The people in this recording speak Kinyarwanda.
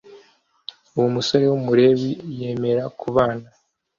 uwo musore w umulewi yemera kubana